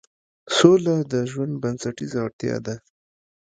سوله د ژوند بنسټیزه اړتیا ده